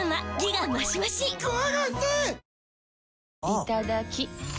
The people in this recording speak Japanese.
いただきっ！